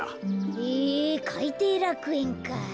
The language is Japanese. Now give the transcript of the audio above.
へえかいていらくえんか。